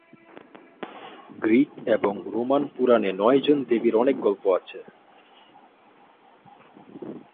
Greek এবং Roman পুরাণে নয়জন দেবীর অনেক গল্প আছে।